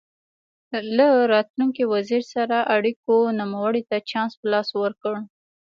له راتلونکي وزیر سره اړیکو نوموړي ته چانس په لاس ورکړ.